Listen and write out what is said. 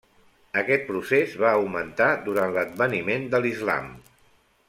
Aquest procés va augmentar durant l'adveniment de l'islam.